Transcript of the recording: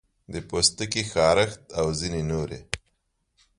د پوستکي خارښت او ځینې نورې